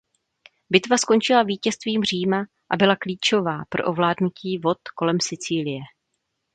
Bitva skončila vítězstvím Říma a byla klíčová pro ovládnutí vod kolem Sicílie.